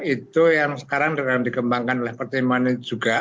itu yang sekarang sedang dikembangkan oleh pertemuan ini juga